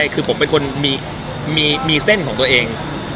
คือผมเป็นคนมีเส้นของตัวเอง